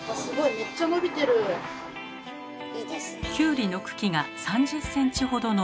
キュウリの茎が３０センチほど伸びました。